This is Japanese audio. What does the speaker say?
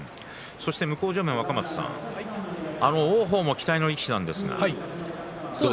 向正面の若松さん王鵬も期待の力士なんですが。